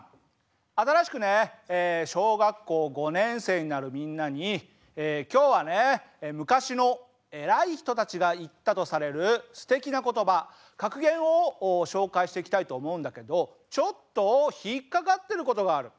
新しくね小学校５年生になるみんなに今日はね昔の偉い人たちが言ったとされるすてきな言葉格言を紹介していきたいと思うんだけどちょっと引っ掛かってることがある。